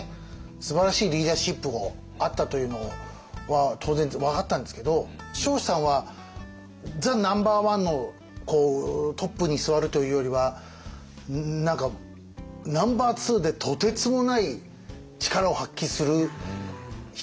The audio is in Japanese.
すばらしいリーダーシップをあったというのは当然分かったんですけど彰子さんはザ・ナンバーワンのトップに座るというよりは何かナンバーツーでとてつもない力を発揮する人かなという気もしました